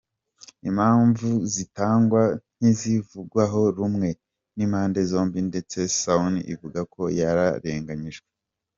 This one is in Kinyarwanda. Impamvu zitangwa ntizivugwaho rumwe n’impande zombi ndetse Sauni ivuga ko yarenganyijwe.